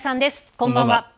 こんばんは。